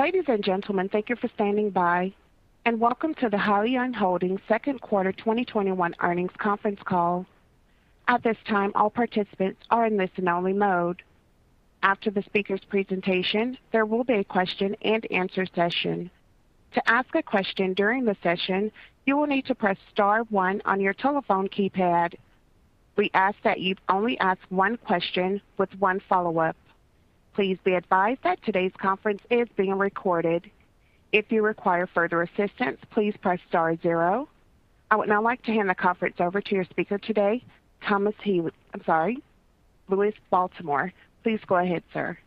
Ladies and gentlemen, thank you for standing by, and welcome to the Hyliion Holdings Second Quarter 2021 Earnings Conference Call. At this time, all participants are in listen only mode. After the speaker's presentation, there will be a question and answer session. To ask a question during the session, you will need to press star one on your telephone keypad. We ask that you only ask one question with one follow-up. Please be advised that today's conference is being recorded. If you require further assistance, please press star zero. I would now like to hand the conference over to your speaker today, Thomas Healy I'm sorry, Louis Baltimore. Please go ahead, sir.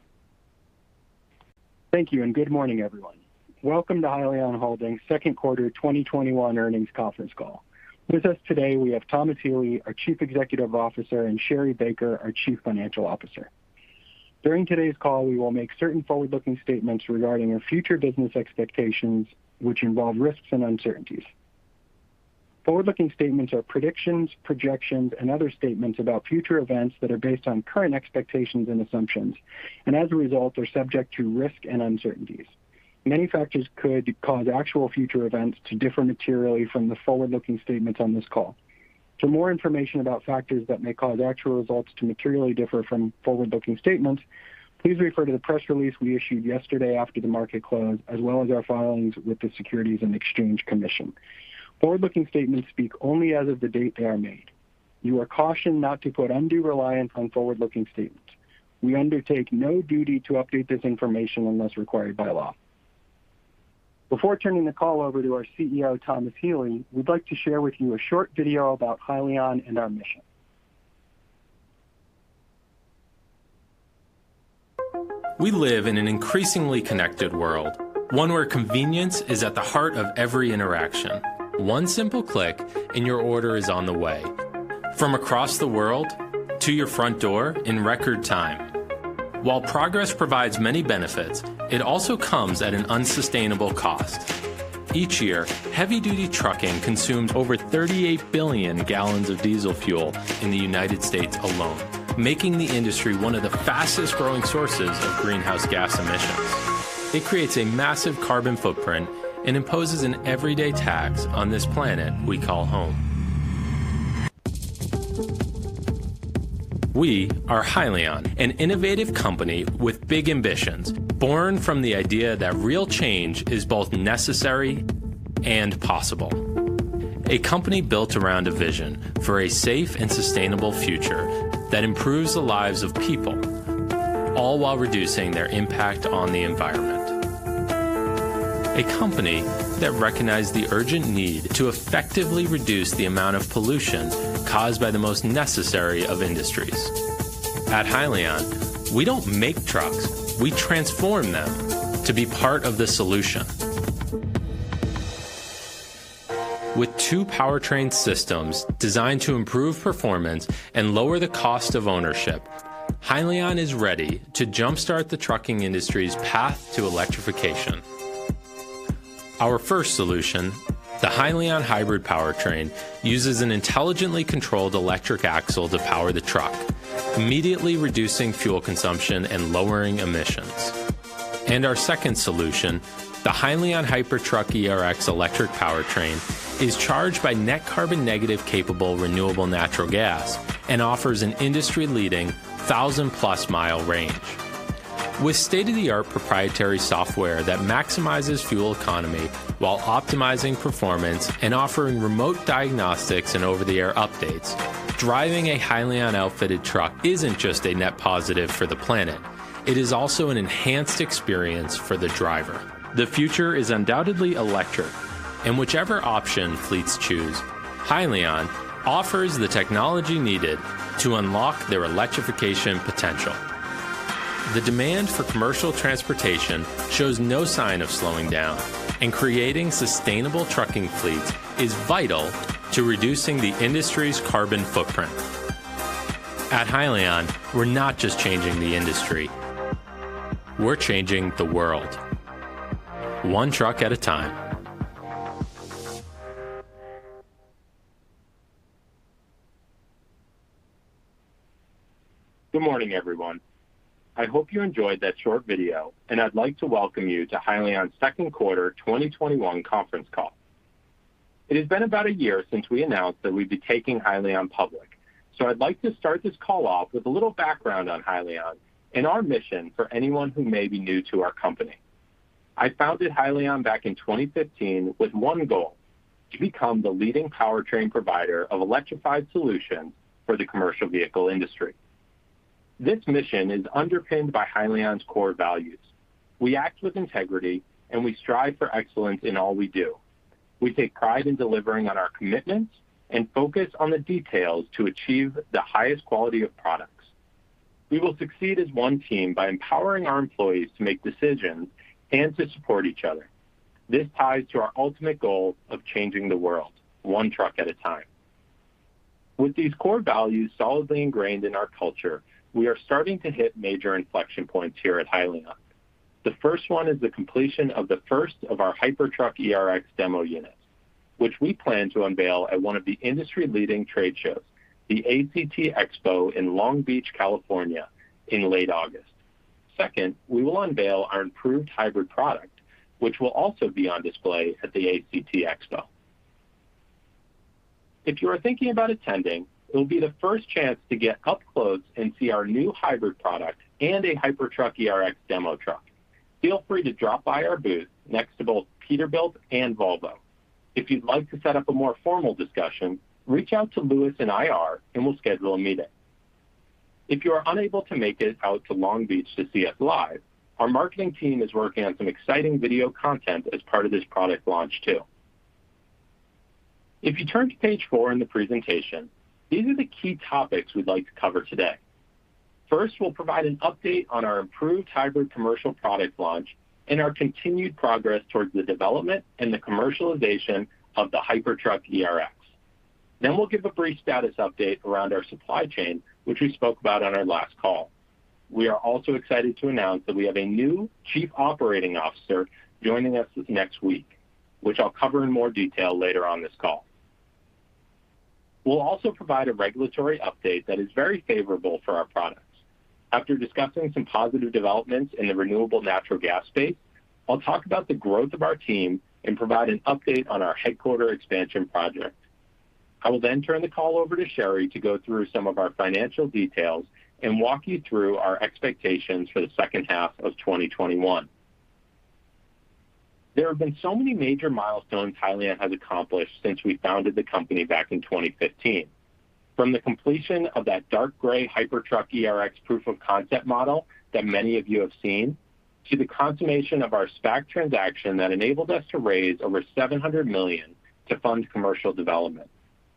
Thank you, good morning, everyone. Welcome to Hyliion Holdings' Second Quarter 2021 Earnings Conference Call. With us today we have Thomas Healy, our Chief Executive Officer, and Sherri Baker, our Chief Financial Officer. During today's call, we will make certain forward-looking statements regarding our future business expectations, which involve risks and uncertainties. Forward-looking statements are predictions, projections, and other statements about future events that are based on current expectations and assumptions, and as a result, are subject to risk and uncertainties. Many factors could cause actual future events to differ materially from the forward-looking statements on this call. For more information about factors that may cause actual results to materially differ from forward-looking statements, please refer to the press release we issued yesterday after the market close, as well as our filings with the Securities and Exchange Commission. Forward-looking statements speak only as of the date they are made. You are cautioned not to put undue reliance on forward-looking statements. We undertake no duty to update this information unless required by law. Before turning the call over to our CEO, Thomas Healy, we'd like to share with you a short video about Hyliion and our mission. We live in an increasingly connected world, one where convenience is at the heart of every interaction. One simple click and your order is on the way from across the world to your front door in record time. While progress provides many benefits, it also comes at an unsustainable cost. Each year, heavy duty trucking consumes over 38 billion gallons of diesel fuel in the United States alone, making the industry one of the fastest growing sources of greenhouse gas emissions. It creates a massive carbon footprint and imposes an everyday tax on this planet we call home. We are Hyliion, an innovative company with big ambitions, born from the idea that real change is both necessary and possible. A company built around a vision for a safe and sustainable future that improves the lives of people, all while reducing their impact on the environment. A company that recognized the urgent need to effectively reduce the amount of pollution caused by the most necessary of industries. At Hyliion, we don't make trucks. We transform them to be part of the solution. With two powertrain systems designed to improve performance and lower the cost of ownership, Hyliion is ready to jumpstart the trucking industry's path to electrification. Our first solution, the Hyliion Hybrid powertrain, uses an intelligently controlled electric axle to power the truck, immediately reducing fuel consumption and lowering emissions. Our second solution, the Hyliion Hypertruck ERX electric powertrain, is charged by net carbon negative-capable renewable natural gas and offers an industry-leading 1,000+ mile range. With state-of-the-art proprietary software that maximizes fuel economy while optimizing performance and offering remote diagnostics and over-the-air updates, driving a Hyliion outfitted truck isn't just a net positive for the planet, it is also an enhanced experience for the driver. The future is undoubtedly electric, and whichever option fleets choose, Hyliion offers the technology needed to unlock their electrification potential. The demand for commercial transportation shows no sign of slowing down, and creating sustainable trucking fleets is vital to reducing the industry's carbon footprint. At Hyliion, we're not just changing the industry, we're changing the world, one truck at a time. Good morning, everyone. I hope you enjoyed that short video, and I'd like to welcome you to Hyliion's Second Quarter 2021 Conference Call. It has been about a year since we announced that we'd be taking Hyliion public, so I'd like to start this call off with a little background on Hyliion and our mission for anyone who may be new to our company. I founded Hyliion back in 2015 with one goal, to become the leading powertrain provider of electrified solutions for the commercial vehicle industry. This mission is underpinned by Hyliion's core values. We act with integrity and we strive for excellence in all we do. We take pride in delivering on our commitments and focus on the details to achieve the highest quality of products. We will succeed as one team by empowering our employees to make decisions and to support each other. This ties to our ultimate goal of changing the world one truck at a time. With these core values solidly ingrained in our culture, we are starting to hit major inflection points here at Hyliion. The first one is the completion of the first of our Hypertruck ERX demo units. Which we plan to unveil at one of the industry-leading trade shows, the ACT Expo in Long Beach, California in late August. Second, we will unveil our improved hybrid product, which will also be on display at the ACT Expo. If you are thinking about attending, it will be the first chance to get up close and see our new hybrid product and a Hypertruck ERX demo truck. Feel free to drop by our booth next to both Peterbilt and Volvo. If you'd like to set up a more formal discussion, reach out to Louis in IR, and we'll schedule a meeting. If you are unable to make it out to Long Beach to see us live, our marketing team is working on some exciting video content as part of this product launch too. If you turn to page four in the presentation, these are the key topics we'd like to cover today. First, we'll provide an update on our improved hybrid commercial product launch and our continued progress towards the development and the commercialization of the Hypertruck ERX. Then we'll give a brief status update around our supply chain, which we spoke about on our last call. We are also excited to announce that we have a new Chief Operating Officer joining us next week, which I'll cover in more detail later on this call. We'll also provide a regulatory update that is very favorable for our products. After discussing some positive developments in the renewable natural gas space, I'll talk about the growth of our team and provide an update on our headquarter expansion project. I will then turn the call over to Sherri to go through some of our financial details and walk you through our expectations for the second half of 2021. There have been so many major milestones Hyliion has accomplished since we founded the company back in 2015. From the completion of that dark gray Hypertruck ERX proof of concept model that many of you have seen, to the consummation of our SPAC transaction that enabled us to raise over $700 million to fund commercial development,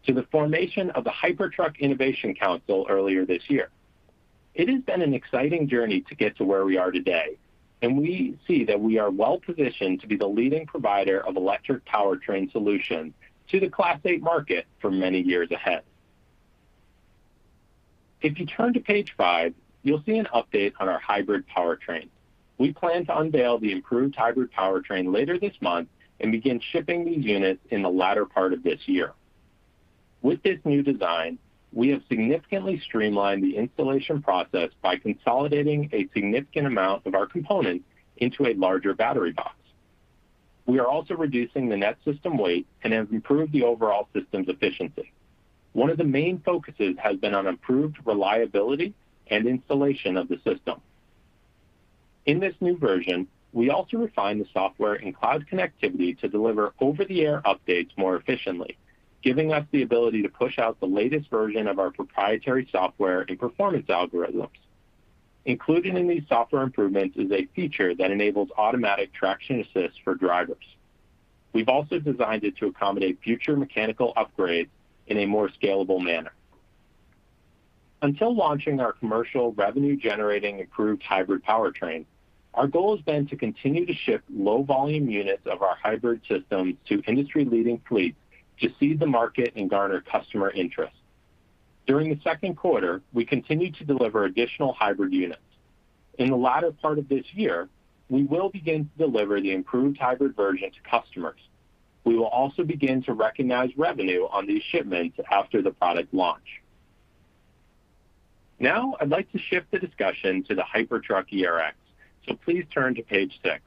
to the formation of the Hypertruck Innovation Council earlier this year. It has been an exciting journey to get to where we are today, and we see that we are well-positioned to be the leading provider of electric powertrain solution to the Class 8 market for many years ahead. If you turn to page five, you'll see an update on our hybrid powertrain. We plan to unveil the improved hybrid powertrain later this month and begin shipping these units in the latter part of this year. With this new design, we have significantly streamlined the installation process by consolidating a significant amount of our components into a larger battery box. We are also reducing the net system weight and have improved the overall system's efficiency. One of the main focuses has been on improved reliability and installation of the system. In this new version, we also refined the software and cloud connectivity to deliver over-the-air updates more efficiently, giving us the ability to push out the latest version of our proprietary software and performance algorithms. Included in these software improvements is a feature that enables automatic traction assist for drivers. We've also designed it to accommodate future mechanical upgrades in a more scalable manner. Until launching our commercial revenue-generating improved hybrid powertrain, our goal has been to continue to ship low-volume units of our hybrid systems to industry-leading fleets to seed the market and garner customer interest. During the second quarter, we continued to deliver additional hybrid units. In the latter part of this year, we will begin to deliver the improved hybrid version to customers. We will also begin to recognize revenue on these shipments after the product launch. Now, I'd like to shift the discussion to the Hypertruck ERX, so please turn to page six.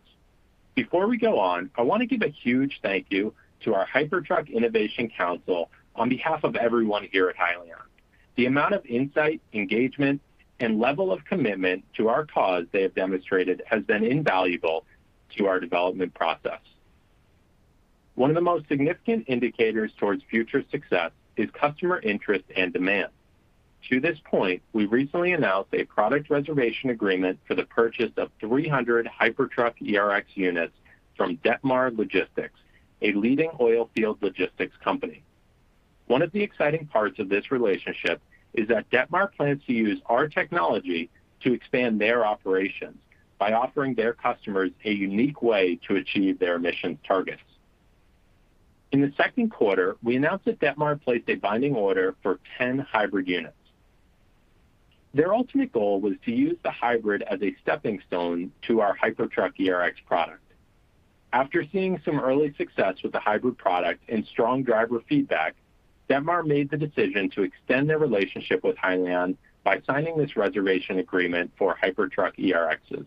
Before we go on, I want to give a huge thank you to our Hypertruck Innovation Council on behalf of everyone here at Hyliion. The amount of insight, engagement, and level of commitment to our cause they have demonstrated has been invaluable to our development process. One of the most significant indicators towards future success is customer interest and demand. To this point, we recently announced a product reservation agreement for the purchase of 300 Hypertruck ERX units from Detmar Logistics, a leading oil field logistics company. One of the exciting parts of this relationship is that Detmar plans to use our technology to expand their operations by offering their customers a unique way to achieve their emissions targets. In the second quarter, we announced that Detmar placed a binding order for 10 hybrid units. Their ultimate goal was to use the hybrid as a stepping stone to our Hypertruck ERX product. After seeing some early success with the hybrid product and strong driver feedback, Detmar made the decision to extend their relationship with Hyliion by signing this reservation agreement for Hypertruck ERXs.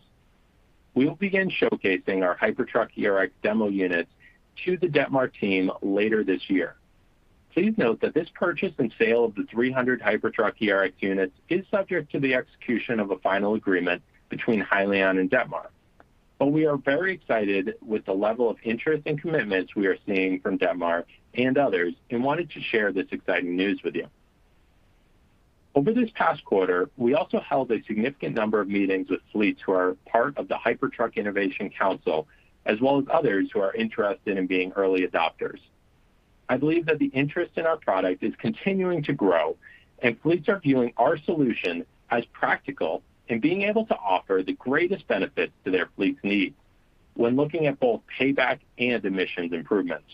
We will begin showcasing our Hypertruck ERX demo units to the Detmar team later this year. Please note that this purchase and sale of the 300 Hypertruck ERX units is subject to the execution of a final agreement between Hyliion and Detmar, but we are very excited with the level of interest and commitment we are seeing from Detmar and others and wanted to share this exciting news with you. Over this past quarter, we also held a significant number of meetings with fleets who are part of the Hypertruck Innovation Council, as well as others who are interested in being early adopters. I believe that the interest in our product is continuing to grow, and fleets are viewing our solution as practical in being able to offer the greatest benefit to their fleet's needs when looking at both payback and emissions improvements.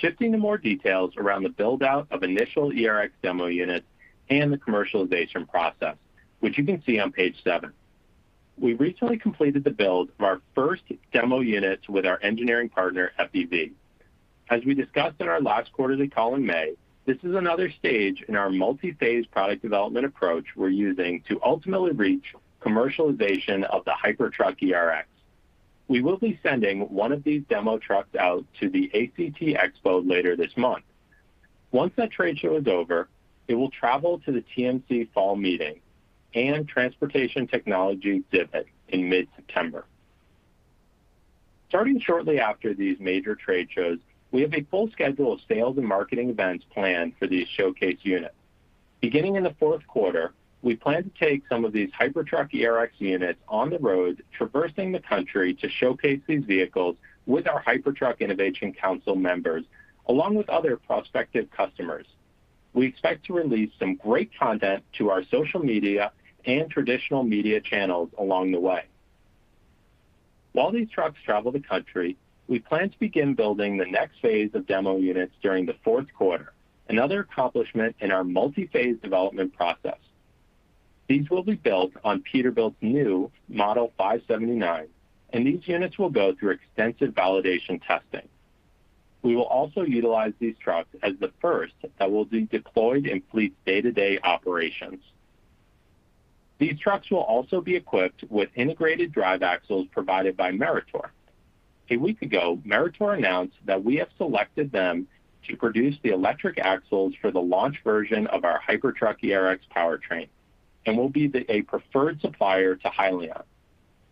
Shifting to more details around the build-out of initial ERX demo units and the commercialization process, which you can see on page seven. We recently completed the build of our first demo units with our engineering partner, FEV. As we discussed in our last quarterly call in May, this is another stage in our multi-phase product development approach we're using to ultimately reach commercialization of the Hypertruck ERX. We will be sending one of these demo trucks out to the ACT Expo later this month. Once that trade show is over, it will travel to the TMC Fall Meeting and Transportation Technology Exhibition in mid-September. Starting shortly after these major trade shows, we have a full schedule of sales and marketing events planned for these showcase units. Beginning in the fourth quarter, we plan to take some of these Hypertruck ERX units on the road, traversing the country to showcase these vehicles with our Hypertruck Innovation Council members, along with other prospective customers. We expect to release some great content to our social media and traditional media channels along the way. While these trucks travel the country, we plan to begin building the next phase of demo units during the fourth quarter, another accomplishment in our multi-phase development process. These will be built on Peterbilt's new Model 579, and these units will go through extensive validation testing. We will also utilize these trucks as the first that will be deployed in fleet's day-to-day operations. These trucks will also be equipped with integrated drive axles provided by Meritor. A week ago, Meritor announced that we have selected them to produce the electric axles for the launch version of our Hypertruck ERX powertrain and will be a preferred supplier to Hyliion.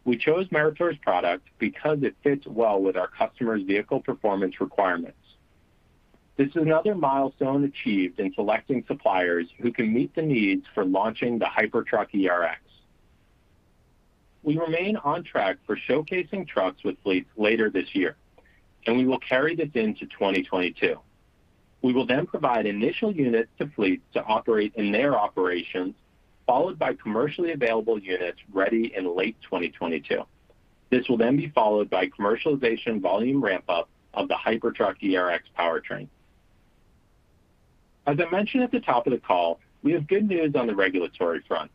We chose Meritor's product because it fits well with our customers' vehicle performance requirements. This is another milestone achieved in selecting suppliers who can meet the needs for launching the Hypertruck ERX. We remain on track for showcasing trucks with fleets later this year, and we will carry this into 2022. We will then provide initial units to fleets to operate in their operations, followed by commercially available units ready in late 2022. This will be followed by commercialization volume ramp-up of the Hypertruck ERX powertrain. As I mentioned at the top of the call, we have good news on the regulatory front.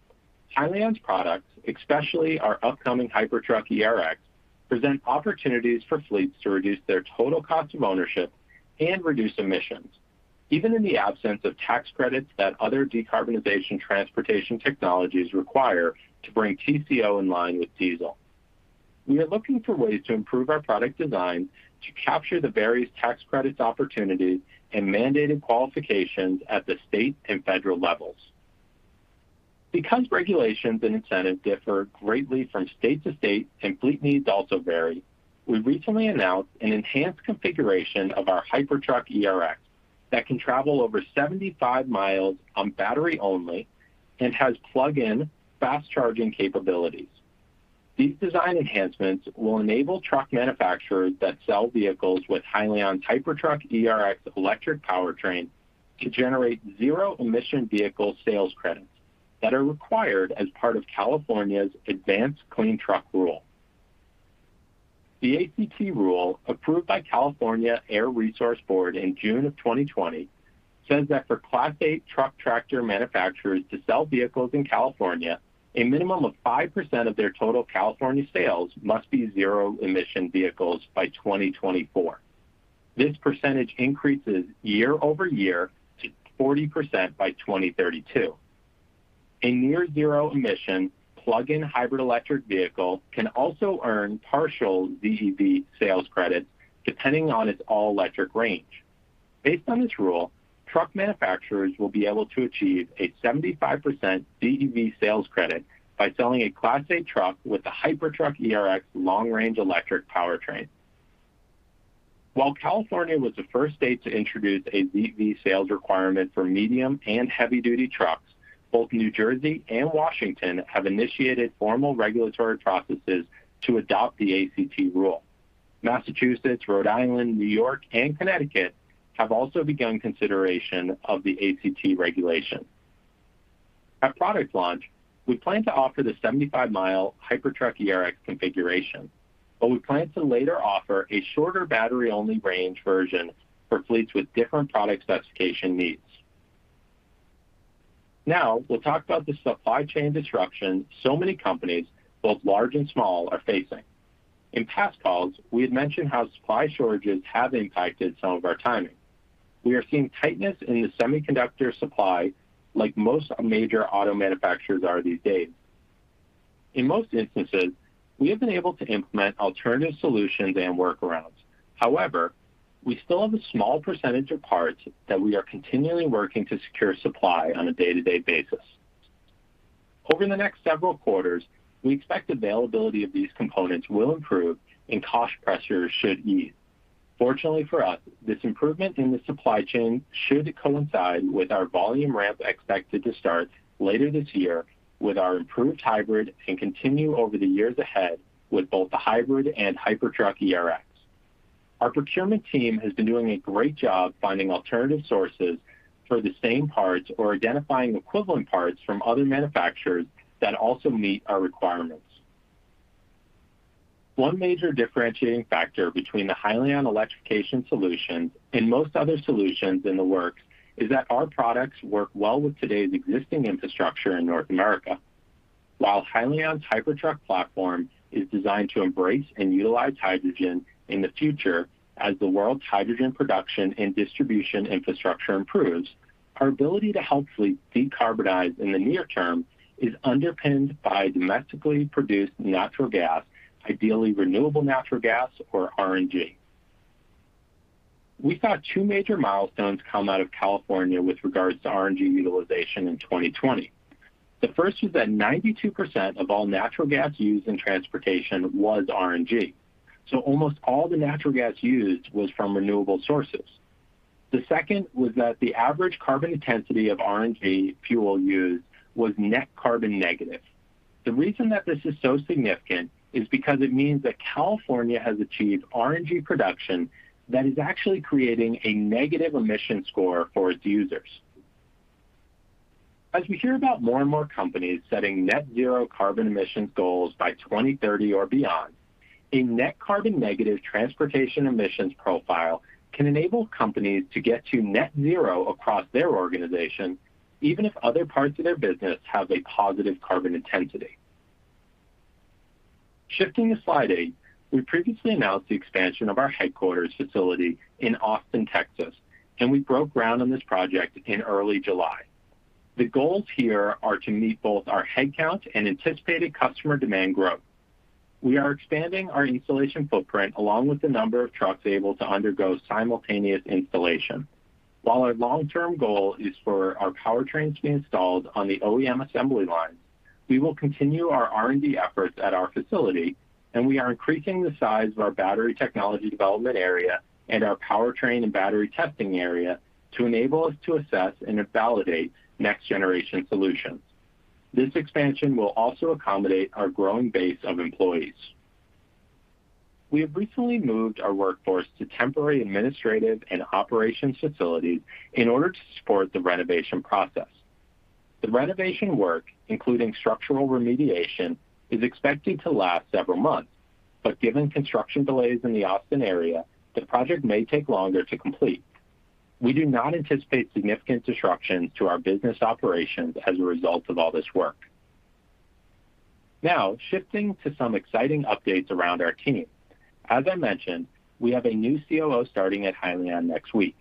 Hyliion's products, especially our upcoming Hypertruck ERX, present opportunities for fleets to reduce their total cost of ownership and reduce emissions, even in the absence of tax credits that other decarbonization transportation technologies require to bring TCO in line with diesel. We are looking for ways to improve our product design to capture the various tax credits opportunities and mandated qualifications at the state and federal levels. Because regulations and incentives differ greatly from state-to-state and fleet needs also vary, we recently announced an enhanced configuration of our Hypertruck ERX that can travel over 75 miles on battery only and has plug-in fast-charging capabilities. These design enhancements will enable truck manufacturers that sell vehicles with Hyliion Hypertruck ERX electric powertrain to generate zero-emission vehicle sales credits that are required as part of California's Advanced Clean Truck rule. The ACT rule, approved by California Air Resources Board in June of 2020, says that for Class 8 truck tractor manufacturers to sell vehicles in California, a minimum of 5% of their total California sales must be zero-emission vehicles by 2024. This percentage increases year-over-year to 40% by 2032. A near zero-emission plug-in hybrid electric vehicle can also earn partial ZEV sales credits depending on its all-electric range. Based on this rule, truck manufacturers will be able to achieve a 75% ZEV sales credit by selling a Class 8 truck with a Hypertruck ERX long-range electric powertrain. While California was the first state to introduce a ZEV sales requirement for medium and heavy-duty trucks, both New Jersey and Washington have initiated formal regulatory processes to adopt the ACT rule. Massachusetts, Rhode Island, New York, and Connecticut have also begun consideration of the ACT regulation. At product launch, we plan to offer the 75-mile Hypertruck ERX configuration, but we plan to later offer a shorter battery-only range version for fleets with different product specification needs. Now, we'll talk about the supply chain disruption so many companies, both large and small, are facing. In past calls, we had mentioned how supply shortages have impacted some of our timing. We are seeing tightness in the semiconductor supply like most major auto manufacturers are these days. In most instances, we have been able to implement alternative solutions and workarounds. However, we still have a small percentage of parts that we are continually working to secure supply on a day-to-day basis. Over the next several quarters, we expect availability of these components will improve and cost pressures should ease. Fortunately for us, this improvement in the supply chain should coincide with our volume ramp expected to start later this year with our improved hybrid and continue over the years ahead with both the hybrid and Hypertruck ERX. Our procurement team has been doing a great job finding alternative sources for the same parts or identifying equivalent parts from other manufacturers that also meet our requirements. One major differentiating factor between the Hyliion electrification solutions and most other solutions in the works is that our products work well with today's existing infrastructure in North America. While Hyliion's Hypertruck platform is designed to embrace and utilize hydrogen in the future as the world's hydrogen production and distribution infrastructure improves, our ability to help fleets decarbonize in the near-term is underpinned by domestically produced natural gas, ideally renewable natural gas or RNG. We saw two major milestones come out of California with regards to RNG utilization in 2020. The first is that 92% of all natural gas used in transportation was RNG. Almost all the natural gas used was from renewable sources. The second was that the average carbon intensity of RNG fuel used was net carbon negative. The reason that this is so significant is because it means that California has achieved RNG production that is actually creating a negative emission score for its users. As we hear about more and more companies setting net zero carbon emissions goals by 2030 or beyond, a net carbon negative transportation emissions profile can enable companies to get to net zero across their organization, even if other parts of their business have a positive carbon intensity. Shifting to slide eight, we previously announced the expansion of our headquarters facility in Austin, Texas, and we broke ground on this project in early July. The goals here are to meet both our headcount and anticipated customer demand growth. We are expanding our installation footprint along with the number of trucks able to undergo simultaneous installation. While our long-term goal is for our powertrains to be installed on the OEM assembly lines, we will continue our R&D efforts at our facility, and we are increasing the size of our battery technology development area and our powertrain and battery testing area to enable us to assess and validate next generation solutions. This expansion will also accommodate our growing base of employees. We have recently moved our workforce to temporary administrative and operations facilities in order to support the renovation process. The renovation work, including structural remediation, is expected to last several months, given construction delays in the Austin area, the project may take longer to complete. We do not anticipate significant disruption to our business operations as a result of all this work. Shifting to some exciting updates around our team. As I mentioned, we have a new COO starting at Hyliion next week.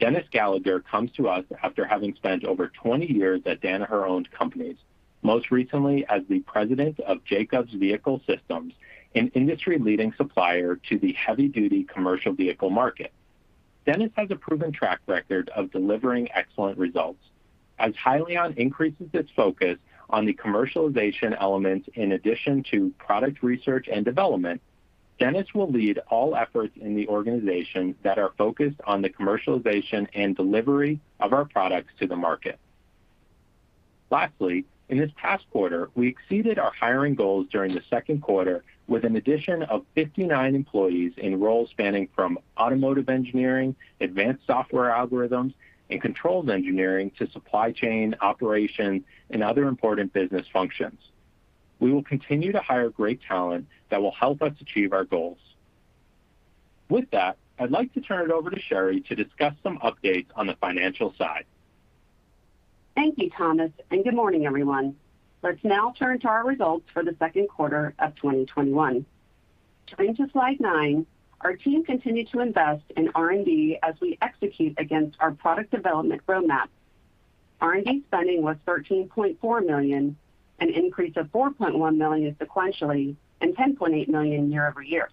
Dennis Gallagher comes to us after having spent over 20 years at Danaher-owned companies, most recently as the President of Jacobs Vehicle Systems, an industry-leading supplier to the heavy-duty commercial vehicle market. Dennis has a proven track record of delivering excellent results. As Hyliion increases its focus on the commercialization elements in addition to product research and development, Dennis will lead all efforts in the organization that are focused on the commercialization and delivery of our products to the market. Lastly, in this past quarter, we exceeded our hiring goals during the second quarter with an addition of 59 employees in roles spanning from automotive engineering, advanced software algorithms, and controls engineering to supply chain, operations, and other important business functions. We will continue to hire great talent that will help us achieve our goals. With that, I'd like to turn it over to Sherri to discuss some updates on the financial side. Thank you, Thomas, and good morning, everyone. Let's now turn to our Results for the Second Quarter of 2021. Turning to slide nine, our team continued to invest in R&D as we execute against our product development roadmap. R&D spending was $13.4 million, an increase of $4.1 million sequentially and $10.8 million year-over-year.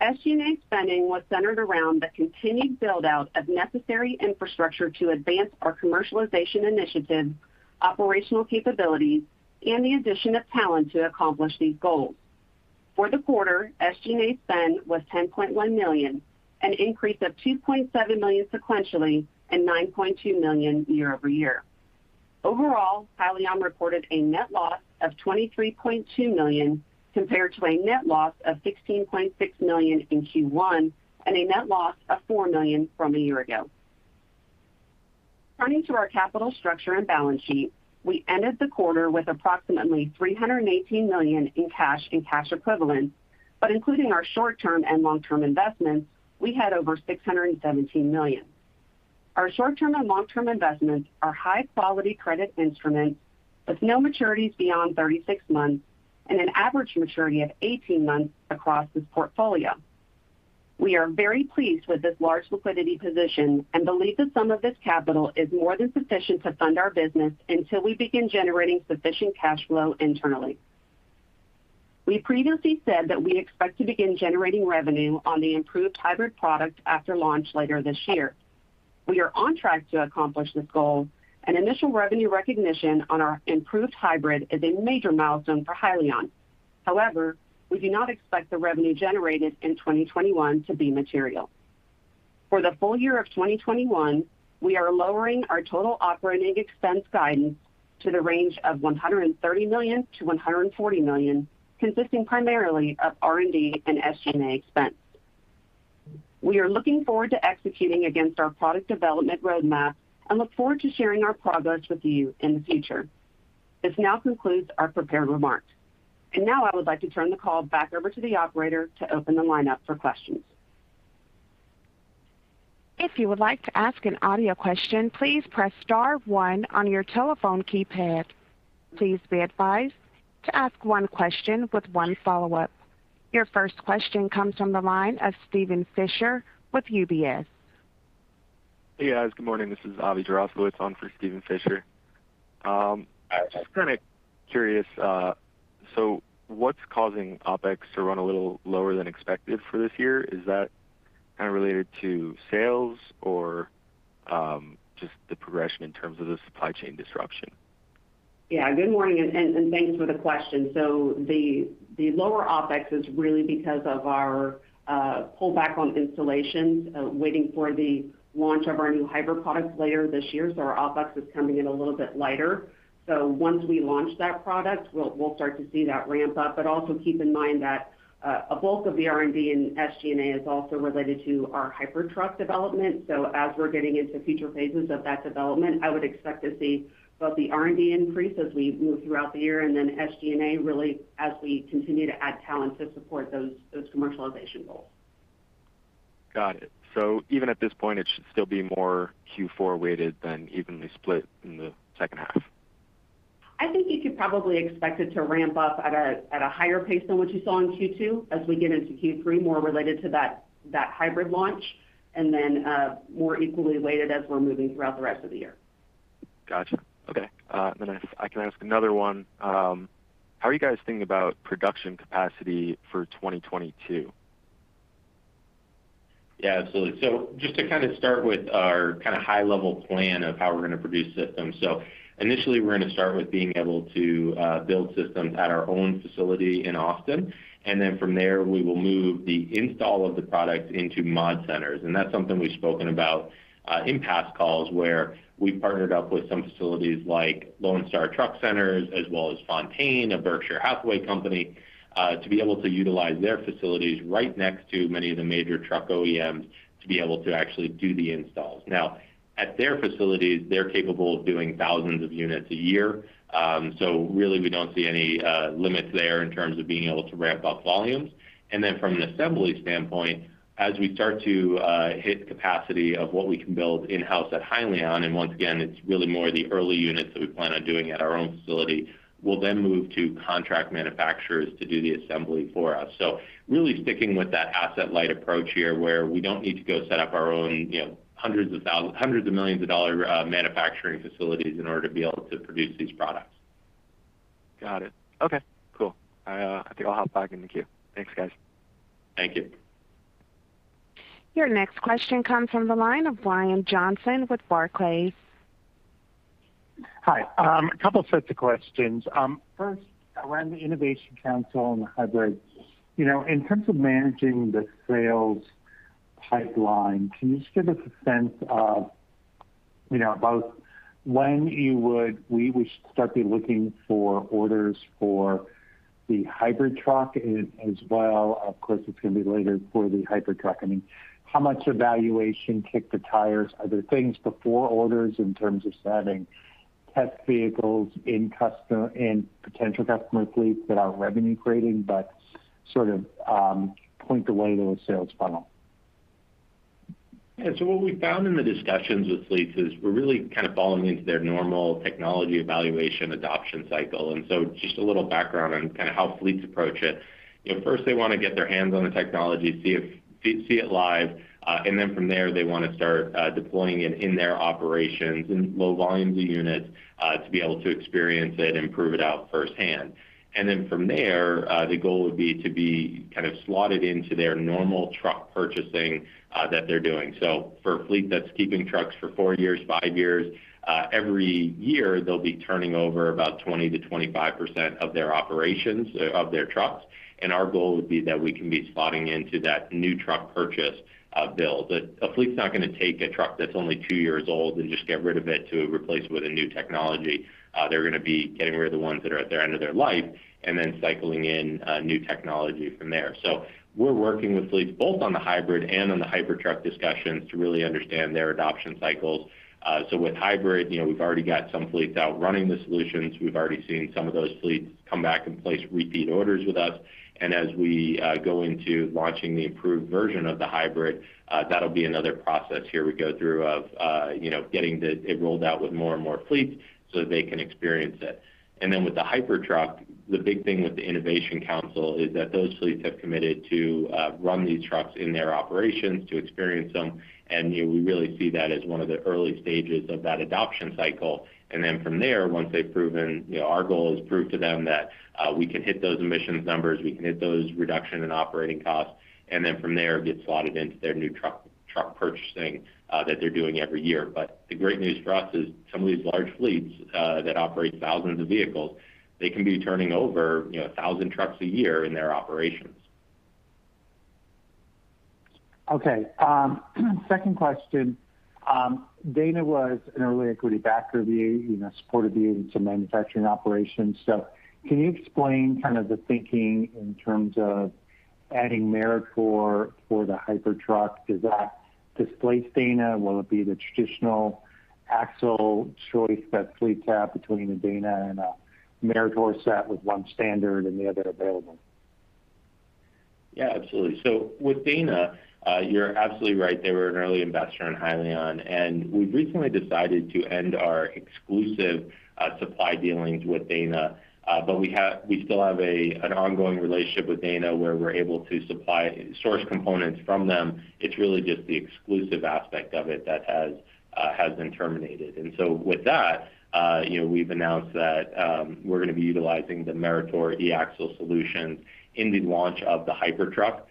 SG&A spending was centered around the continued build-out of necessary infrastructure to advance our commercialization initiatives, operational capabilities, and the addition of talent to accomplish these goals. For the quarter, SG&A spend was $10.1 million, an increase of $2.7 million sequentially and $9.2 million year-over-year. Overall, Hyliion reported a net loss of $23.2 million compared to a net loss of $16.6 million in Q1 and a net loss of $4 million from a year ago. Turning to our capital structure and balance sheet, we ended the quarter with approximately $318 million in cash and cash equivalents, but including our short-term and long-term investments, we had over $617 million. Our short-term and long-term investments are high-quality credit instruments with no maturities beyond 36 months and an average maturity of 18 months across this portfolio. We are very pleased with this large liquidity position and believe the sum of this capital is more than sufficient to fund our business until we begin generating sufficient cash flow internally. We previously said that we expect to begin generating revenue on the improved hybrid product after launch later this year. We are on track to accomplish this goal, and initial revenue recognition on our improved hybrid is a major milestone for Hyliion. However, we do not expect the revenue generated in 2021 to be material. For the full-year of 2021, we are lowering our total operating expense guidance to the range of $130 million-$140 million, consisting primarily of R&D and SG&A expense. We are looking forward to executing against our product development roadmap and look forward to sharing our progress with you in the future. This now concludes our prepared remarks. Now I would like to turn the call back over to the operator to open the line up for questions. If you would like to ask an audio question, please press star one on your telephone keypad. Please be advised to ask one question with 1 follow-up. Your first question comes from the line of Steven Fisher with UBS. Hey, guys. Good morning. This is Avi Jaroslawicz on for Steven Fisher. I'm just curious what's causing OpEx to run a little lower than expected for this year? Is that related to sales or just the progression in terms of the supply chain disruption? Yeah. Good morning, and thanks for the question. The lower OpEx is really because of our pullback on installations, waiting for the launch of our new hybrid product later this year. Our OpEx is coming in a little bit lighter. Once we launch that product, we'll start to see that ramp-up. Also keep in mind that a bulk of the R&D and SG&A is also related to our Hypertruck development. As we're getting into future phases of that development, I would expect to see both the R&D increase as we move throughout the year, and then SG&A really as we continue to add talent to support those commercialization goals. Even at this point, it should still be more Q4 weighted than evenly split in the second half? I think you could probably expect it to ramp-up at a higher pace than what you saw in Q2 as we get into Q3, more related to that hybrid launch, and then more equally weighted as we're moving throughout the rest of the year. Got you. Okay. If I can ask another one. How are you guys thinking about production capacity for 2022? Yeah, absolutely. Just to start with our high level plan of how we're going to produce systems. Initially, we're going to start with being able to build systems at our own facility in Austin. Then from there, we will move the install of the product into mod centers. That's something we've spoken about in past calls, where we partnered up with some facilities like Lone Star Truck Centers, as well as Fontaine, a Berkshire Hathaway company, to be able to utilize their facilities right next to many of the major truck OEMs to be able to actually do the installs. Now, at their facilities, they're capable of doing thousands of units a year. Really, we don't see any limits there in terms of being able to ramp-up volumes. From an assembly standpoint, as we start to hit capacity of what we can build in-house at Hyliion, and once again, it's really more the early units that we plan on doing at our own facility, we'll then move to contract manufacturers to do the assembly for us. Really sticking with that asset-light approach here, where we don't need to go set up our own hundreds of millions of dollar manufacturing facilities in order to be able to produce these products. Got it. Okay, cool. I think I'll hop back in the queue. Thanks, guys. Thank you. Your next question comes from the line of Brian Johnson with Barclays. Hi. A couple sets of questions. First, around the Innovation Council and the hybrid. In terms of managing the sales pipeline, can you just give us a sense of both when we would start be looking for orders for the hybrid truck, as well, of course, it's going to be later for the Hypertruck? How much evaluation, kick the tires? Are there things before orders in terms of setting test vehicles in potential customer fleets that aren't revenue creating, but sort of point the way to a sales funnel? Yeah. What we've found in the discussions with fleets is we're really kind of falling into their normal technology evaluation adoption cycle. Just a little background on how fleets approach it. First, they want to get their hands on the technology, see it live. From there, they want to start deploying it in their operations in low volumes of units to be able to experience it and prove it out firsthand. From there, the goal would be to be slotted into their normal truck purchasing that they're doing. For a fleet that's keeping trucks for four years, five years, every year they'll be turning over about 20%-25% of their operations of their trucks, and our goal would be that we can be slotting into that new truck purchase build. A fleet's not going to take a truck that's only two years old and just get rid of it to replace it with a new technology. They're going to be getting rid of the ones that are at their end of their life and then cycling in new technology from there. We're working with fleets both on the hybrid and on the Hypertruck discussions to really understand their adoption cycles. With hybrid, we've already got some fleets out running the solutions. We've already seen some of those fleets come back and place repeat orders with us. As we go into launching the improved version of the hybrid, that'll be another process here we go through of getting it rolled out with more and more fleets so that they can experience it. Then with the Hypertruck, the big thing with the Innovation Council is that those fleets have committed to run these trucks in their operations to experience them, and we really see that as one of the early stages of that adoption cycle. Then from there, our goal is prove to them that we can hit those emissions numbers, we can hit those reduction in operating costs. Then from there, get slotted into their new truck purchasing that they're doing every year. The great news for us is some of these large fleets that operate thousands of vehicles, they can be turning over 1,000 trucks a year in their operations. Okay. Second question. Dana was an early equity backer of the year, supported the manufacturing operations. Can you explain the thinking in terms of adding Meritor for the Hypertruck? Does that displace Dana? Will it be the traditional axle choice that fleets have between the Dana and a Meritor set with one standard and the other available? Yeah, absolutely. With Dana, you're absolutely right. They were an early investor in Hyliion, and we've recently decided to end our exclusive supply dealings with Dana. We still have an ongoing relationship with Dana where we're able to source components from them. It's really just the exclusive aspect of it that has been terminated. With that, we've announced that we're going to be utilizing the Meritor eAxle solutions in the launch of the Hypertruck.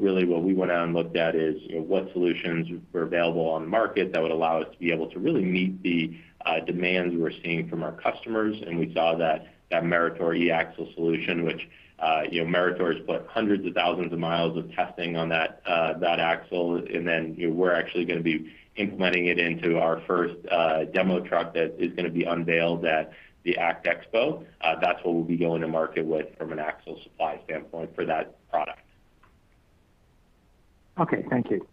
Really what we went out and looked at is what solutions were available on the market that would allow us to be able to really meet the demands we're seeing from our customers. We saw that Meritor eAxle solution, which Meritor has put hundreds of thousands of miles of testing on that axle, and then we're actually going to be implementing it into our first demo truck that is going to be unveiled at the ACT Expo. That's what we'll be going to market with from an axle supply standpoint for that product. Okay. Thank you.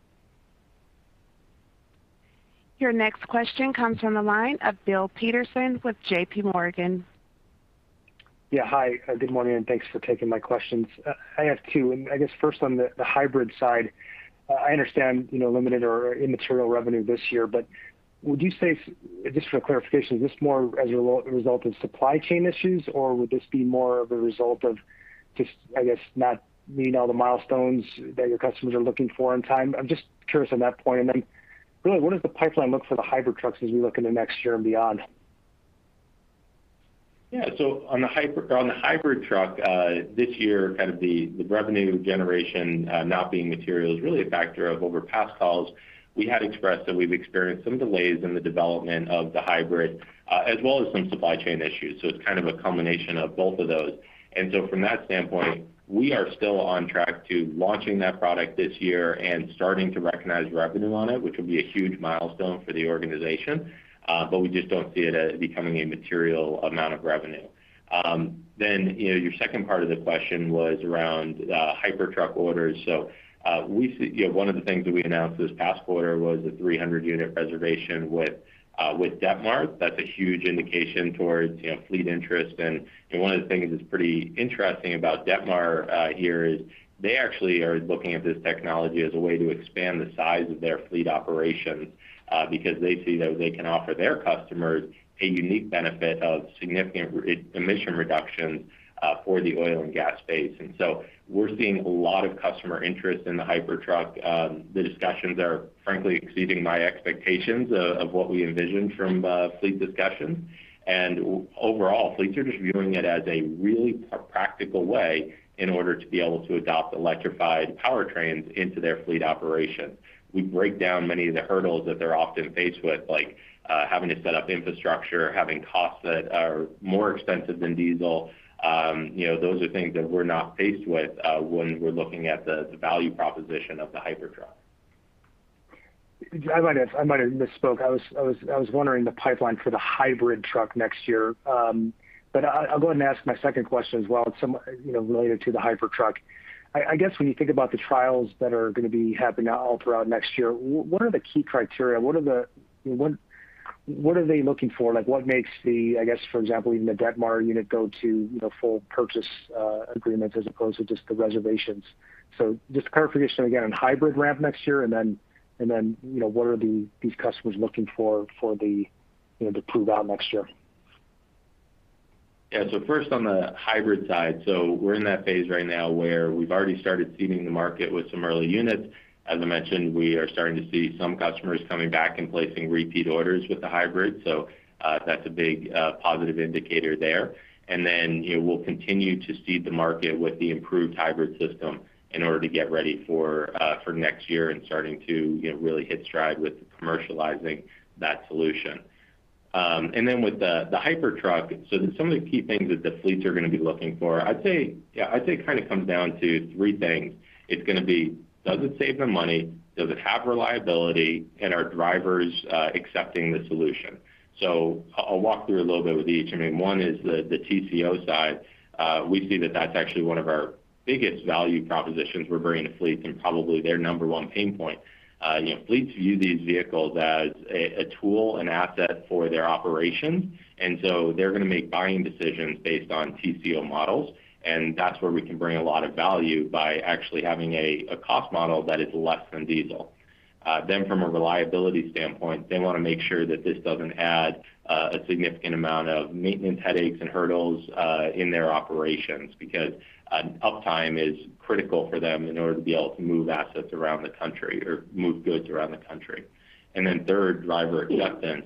Your next question comes from the line of Bill Peterson with JPMorgan. Yeah. Hi, good morning. Thanks for taking my questions. I have two, and I guess first on the hybrid side. I understand limited or immaterial revenue this year, but would you say, just for clarification, is this more as a result of supply chain issues, or would this be more of a result of just, I guess, not meeting all the milestones that your customers are looking for on time? I'm just curious on that point. Really, what does the pipeline look for the Hypertrucks as we look into next year and beyond? Yeah. On the hybrid truck, this year, the revenue generation not being material is really a factor of over past calls. We had expressed that we've experienced some delays in the development of the hybrid, as well as some supply chain issues. It's kind of a combination of both of those. From that standpoint, we are still on track to launching that product this year and starting to recognize revenue on it, which will be a huge milestone for the organization. We just don't see it as becoming a material amount of revenue. Your second part of the question was around Hypertruck orders. One of the things that we announced this past quarter was a 300-unit reservation with Detmar. That's a huge indication towards fleet interest. One of the things that's pretty interesting about Detmar here is they actually are looking at this technology as a way to expand the size of their fleet operations because they see that they can offer their customers a unique benefit of significant emission reduction for the oil and gas space. We're seeing a lot of customer interest in the Hypertruck. The discussions are, frankly, exceeding my expectations of what we envisioned from a fleet discussion. Overall, fleets are just viewing it as a really practical way in order to be able to adopt electrified powertrains into their fleet operation. We break down many of the hurdles that they're often faced with, like having to set up infrastructure, having costs that are more expensive than diesel. Those are things that we're not faced with when we're looking at the value proposition of the Hypertruck. I might have misspoke. I was wondering the pipeline for the hybrid truck next year. I'll go ahead and ask my second question as well. It's somewhat related to the Hypertruck. I guess when you think about the trials that are going to be happening all throughout next year, what are the key criteria? What are they looking for? What makes the, I guess, for example, even the Detmar unit go to full purchase agreements as opposed to just the reservations? Just clarification again on hybrid ramp next year, and then what are these customers looking for to prove out next year? Yeah. First on the hybrid side. We're in that phase right now where we've already started seeding the market with some early units. As I mentioned, we are starting to see some customers coming back and placing repeat orders with the hybrid. That's a big positive indicator there. We'll continue to seed the market with the improved hybrid system in order to get ready for next year and starting to really hit stride with commercializing that solution. With the Hypertruck, some of the key things that the fleets are going to be looking for, I'd say it comes down to three things. It's going to be, does it save them money? Does it have reliability? And are drivers accepting the solution? I'll walk through a little bit with each. One is the TCO side. We see that that's actually one of our biggest value propositions we're bringing to fleets and probably their number one pain point. Fleets view these vehicles as a tool and asset for their operations, and so they're going to make buying decisions based on TCO models, and that's where we can bring a lot of value by actually having a cost model that is less than diesel. From a reliability standpoint, they want to make sure that this doesn't add a significant amount of maintenance headaches and hurdles in their operations because uptime is critical for them in order to be able to move assets around the country or move goods around the country. Third, driver acceptance.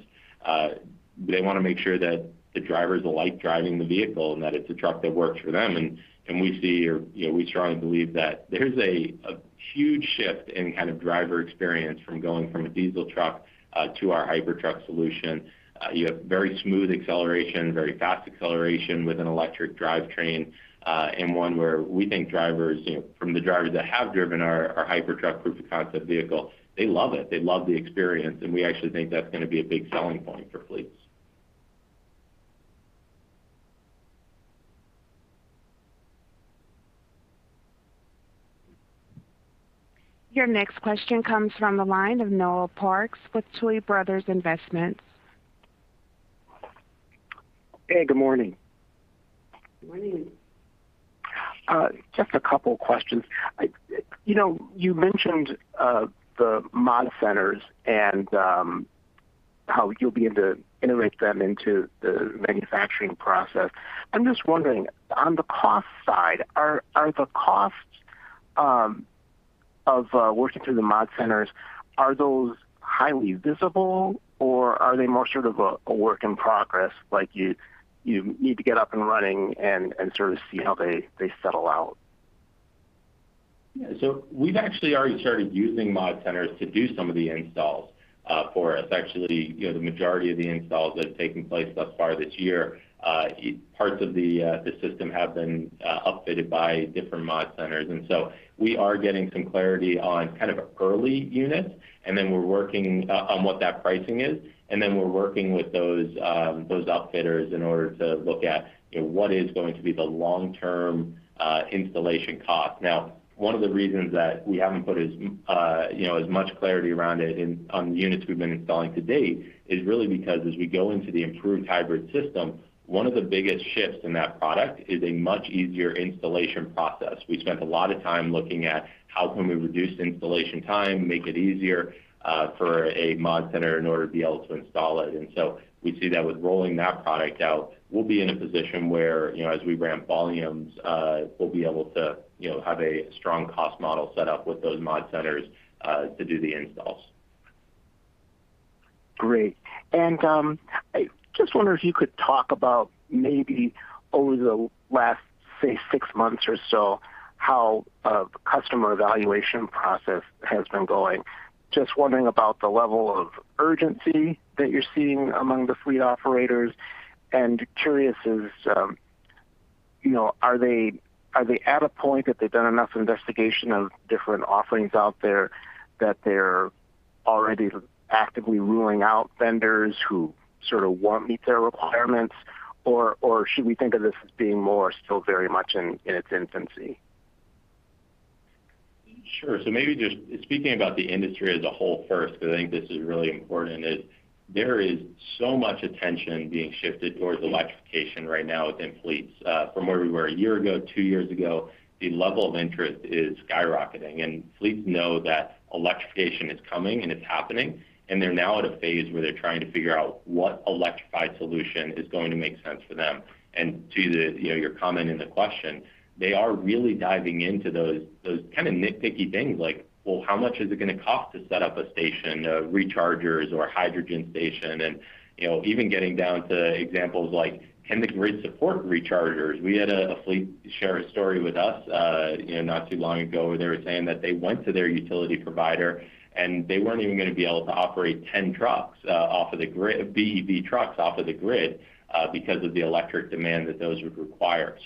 They want to make sure that the drivers like driving the vehicle and that it's a truck that works for them. We strongly believe that there's a huge shift in driver experience from going from a diesel truck to our Hypertruck solution. You have very smooth acceleration, very fast acceleration with an electric drivetrain, and one where we think drivers, from the drivers that have driven our Hypertruck proof of concept vehicle, they love it. They love the experience, we actually think that's going to be a big selling point for fleets. Your next question comes from the line of Noel Parks with Tuohy Brothers Investment Research. Hey, good morning. Morning. Just a couple questions. You mentioned the mod centers and how you'll be able to integrate them into the manufacturing process. I'm just wondering, on the cost side, are the costs of working through the mod centers, are those highly visible, or are they more sort of a work in progress, like you need to get up and running and sort of see how they settle out? Yeah. We've actually already started using mod centers to do some of the installs for us. Actually, the majority of the installs that have taken place thus far this year, parts of the system have been upfitted by different mod centers. We are getting some clarity on kind of early units, and then we're working on what that pricing is. We're working with those upfitters in order to look at what is going to be the long-term installation cost. Now, one of the reasons that we haven't put as much clarity around it on the units we've been installing to date is really because as we go into the improved hybrid system, one of the biggest shifts in that product is a much easier installation process. We spent a lot of time looking at how can we reduce installation time, make it easier for a mod center in order to be able to install it. We see that with rolling that product out, we'll be in a position where as we ramp volumes, we'll be able to have a strong cost model set up with those mod centers to do the installs. Great. I just wonder if you could talk about maybe over the last, say, six months or so, how the customer evaluation process has been going. I am just wondering about the level of urgency that you're seeing among the fleet operators. Curious as are they at a point that they've done enough investigation of different offerings out there that they're already actively ruling out vendors who sort of won't meet their requirements, or should we think of this as being more still very much in its infancy? Sure. Maybe just speaking about the industry as a whole first, because I think this is really important, is there is so much attention being shifted towards electrification right now within fleets. From where we were a year ago, two years ago, the level of interest is skyrocketing. Fleets know that electrification is coming and it's happening, and they're now at a phase where they're trying to figure out what electrified solution is going to make sense for them. To your comment in the question, they are really diving into those kind of nitpicky things like, well, how much is it going to cost to set up a station of rechargers or a hydrogen station, and even getting down to examples like can the grid support rechargers? We had a fleet share a story with us not too long ago where they were saying that they went to their utility provider, they weren't even going to be able to operate 10 BEV trucks off of the grid because of the electric demand that those would require.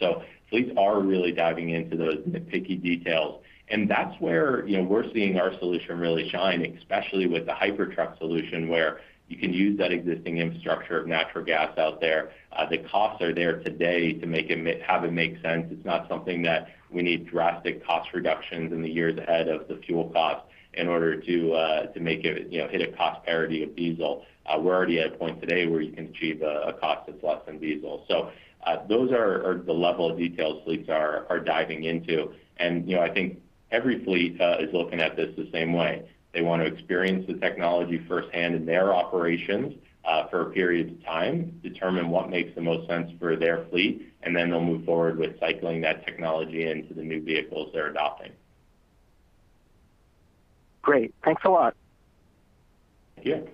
Fleets are really diving into those nitpicky details, and that's where we're seeing our solution really shine, especially with the Hypertruck solution, where you can use that existing infrastructure of natural gas out there. The costs are there today to have it make sense. It's not something that we need drastic cost reductions in the years ahead of the fuel cost in order to hit a cost parity of diesel. We're already at a point today where you can achieve a cost that's less than diesel. Those are the level of details fleets are diving into. I think every fleet is looking at this the same way. They want to experience the technology firsthand in their operations for a period of time, determine what makes the most sense for their fleet, and then they'll move forward with cycling that technology into the new vehicles they're adopting. Great. Thanks a lot. Thank you.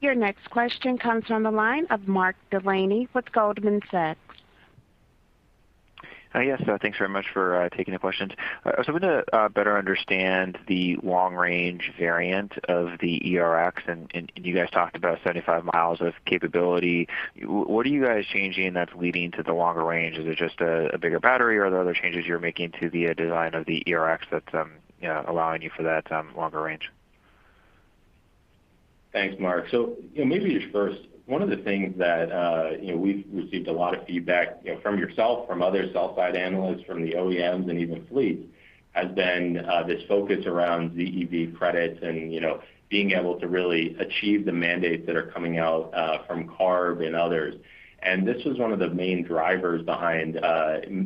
Your next question comes from the line of Mark Delaney with Goldman Sachs. Yes. Thanks very much for taking the questions. I was hoping to better understand the long-range variant of the ERX, and you guys talked about 75 miles of capability. What are you guys changing that's leading to the longer-range? Is it just a bigger battery, or are there other changes you're making to the design of the ERX that's allowing you for that longer-range? Thanks, Mark. Maybe just first, one of the things that we've received a lot of feedback from yourself, from other sell-side analysts, from the OEMs, and even fleets, has been this focus around ZEV credits and being able to really achieve the mandates that are coming out from CARB and others. This was one of the main drivers behind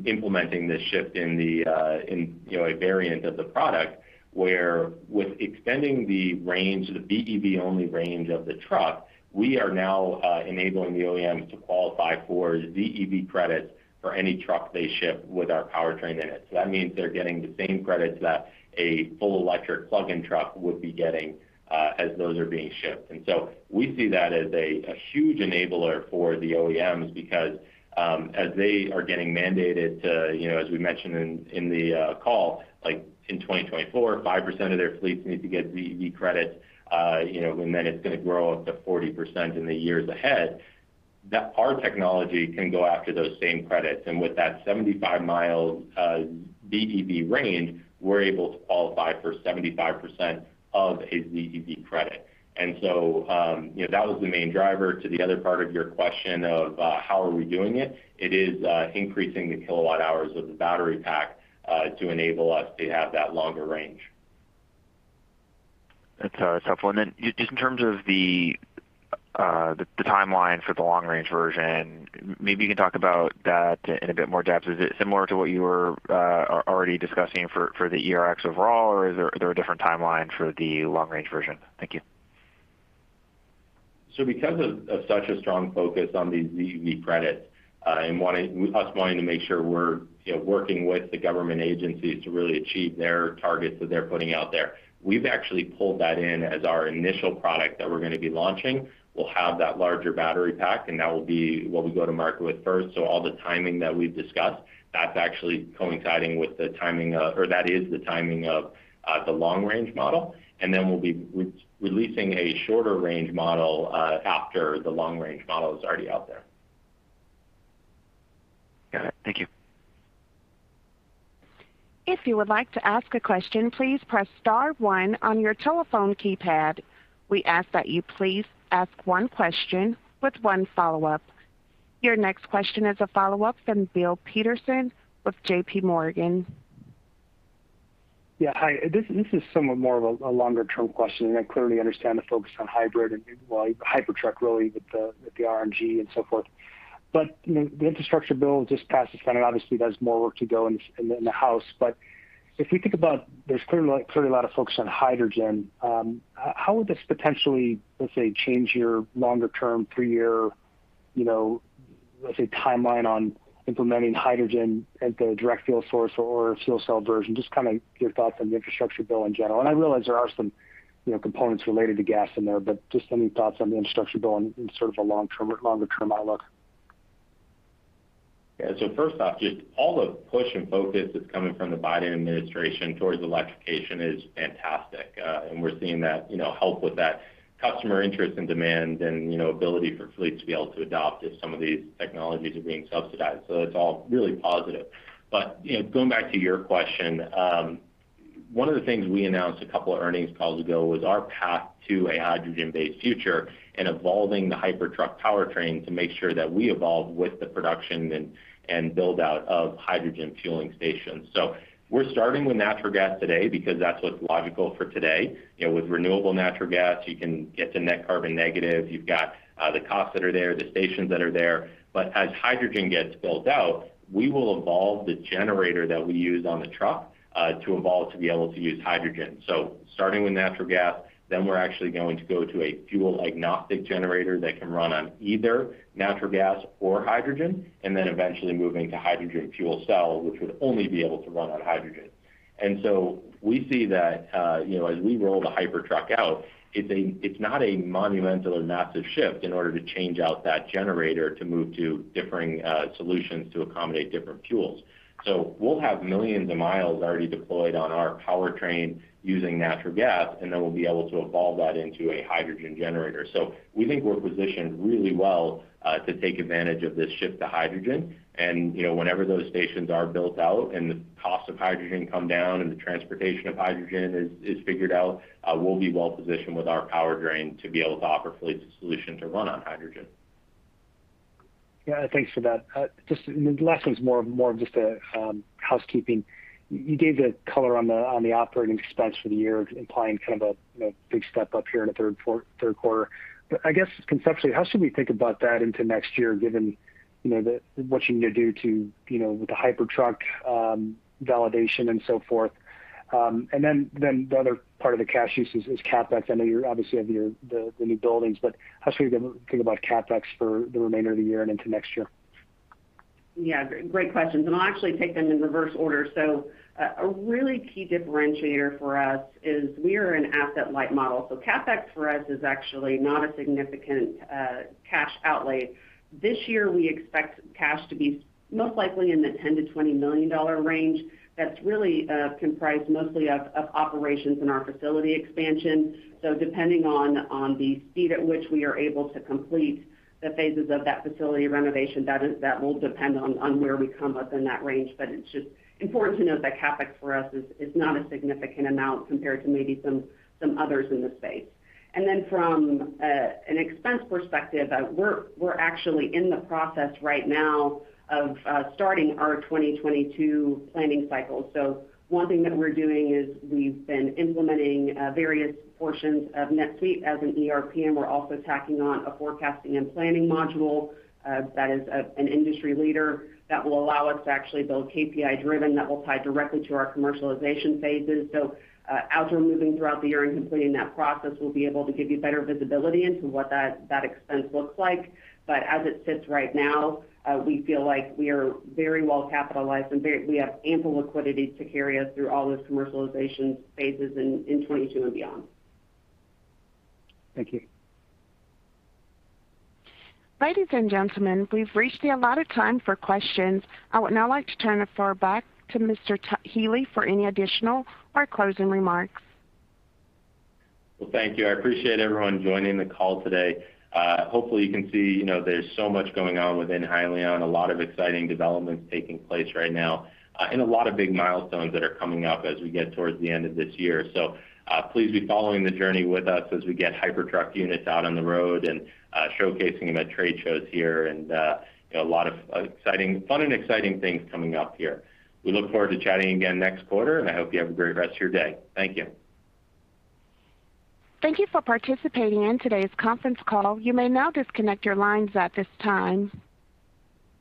implementing this shift in a variant of the product, where with extending the range, the BEV-only range of the truck, we are now enabling the OEMs to qualify for ZEV credits for any truck they ship with our powertrain in it. That means they're getting the same credits that a full electric plug-in truck would be getting as those are being shipped. We see that as a huge enabler for the OEMs because as they are getting mandated to, as we mentioned in the call, like in 2024, 5% of their fleets need to get ZEV credits, and then it's going to grow up to 40% in the years ahead. That our technology can go after those same credits, and with that 75-mile ZEV range, we're able to qualify for 75% of a ZEV credit. That was the main driver. To the other part of your question of how are we doing it is increasing the kilowatt-hours of the battery pack to enable us to have that longer-range. That's helpful. Then just in terms of the timeline for the long-range version, maybe you can talk about that in a bit more depth. Is it similar to what you were already discussing for the ERX overall, or is there a different timeline for the long-range version? Thank you. Because of such a strong focus on the ZEV credits and us wanting to make sure we're working with the government agencies to really achieve their targets that they're putting out there, we've actually pulled that in as our initial product that we're going to be launching. We'll have that larger battery pack, and that will be what we go to market with first. All the timing that we've discussed, that's actually coinciding with the timing of, or that is the timing of the long-range model. Then we'll be releasing a shorter-range model after the long-range model is already out there. Got it. Thank you. If you would like to ask a question, please press star one on your telephone keypad. We ask that you please ask one question with one follow-up. Your next question is a follow-up from Bill Peterson with JPMorgan. Yeah. Hi. This is somewhat more of a longer-term question. I clearly understand the focus on hybrid and Hypertruck, really, with the RNG and so forth. The infrastructure bill just passed the Senate. Obviously, there's more work to do in the House. If we think about there's clearly a lot of focus on hydrogen, how would this potentially, let's say, change your longer-term, three-year, let's say, timeline on implementing hydrogen at the direct fuel source or fuel cell version? Just your thoughts on the infrastructure bill in general. I realize there are some components related to gas in there, just any thoughts on the infrastructure bill in sort of a longer-term outlook? Yeah. First off, just all the push and focus that's coming from the Biden administration towards electrification is fantastic. We're seeing that help with that customer interest and demand and ability for fleets to be able to adopt as some of these technologies are being subsidized. It's all really positive. Going back to your question, one of the things we announced a couple of earnings calls ago was our path to a hydrogen-based future and evolving the Hypertruck powertrain to make sure that we evolve with the production and build-out of hydrogen fueling stations. We're starting with natural gas today because that's what's logical for today. With renewable natural gas, you can get to net carbon negative. You've got the costs that are there, the stations that are there. As hydrogen gets built out, we will evolve the generator that we use on the truck to evolve to be able to use hydrogen. Starting with natural gas, then we're actually going to go to a fuel-agnostic generator that can run on either natural gas or hydrogen, and then eventually moving to hydrogen fuel cell, which would only be able to run on hydrogen. We see that as we roll the Hypertruck out, it's not a monumental or massive shift in order to change out that generator to move to differing solutions to accommodate different fuels. We'll have millions of miles already deployed on our powertrain using natural gas, and then we'll be able to evolve that into a hydrogen generator. We think we're positioned really well to take advantage of this shift to hydrogen. Whenever those stations are built out and the cost of hydrogen come down and the transportation of hydrogen is figured out, we'll be well positioned with our powertrain to be able to offer fleets a solution to run on hydrogen. Yeah. Thanks for that. The last one's more of just a housekeeping. You gave the color on the operating expense for the year, implying a big step up here in the third quarter. I guess conceptually, how should we think about that into next year given what you need to do with the Hypertruck validation and so forth? The other part of the cash use is CapEx. I know you obviously have the new buildings, how should we think about CapEx for the remainder of the year and into next year? Great questions. I'll actually take them in reverse order. A really key differentiator for us is we are an asset-light model. CapEx for us is actually not a significant cash outlay. This year, we expect cash to be most likely in the $10 million-$20 million range. That's really comprised mostly of operations in our facility expansion. Depending on the speed at which we are able to complete the phases of that facility renovation, that will depend on where we come up in that range. It's just important to note that CapEx for us is not a significant amount compared to maybe some others in the space. From an expense perspective, we're actually in the process right now of starting our 2022 planning cycle. One thing that we're doing is we've been implementing various portions of NetSuite as an ERP, and we're also tacking on a forecasting and planning module that is an industry leader that will allow us to actually build KPI driven that will tie directly to our commercialization phases. As we move throughout the areas and completing that process will be able to give you better visibility into what that expense looks like. As it sits right now, we feel like we are very well capitalized and we have ample liquidity to carry us through all those commercialization phases in 2022 and beyond. Thank you. Ladies and gentlemen, we've reached the allotted time for questions. I would now like to turn the floor back to Mr. Healy for any additional or closing remarks. Thank you. I appreciate everyone joining the call today. Hopefully, you can see there's so much going on within Hyliion, a lot of exciting developments taking place right now, and a lot of big milestones that are coming up as we get towards the end of this year. Please be following the journey with us as we get Hypertruck units out on the road and showcasing them at trade shows here and a lot of fun and exciting things coming up here. We look forward to chatting again next quarter, and I hope you have a great rest of your day. Thank you. Thank you for participating in today's conference call. You may now disconnect your lines at this time.